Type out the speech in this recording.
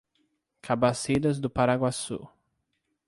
Cabaceiras do Paraguaçu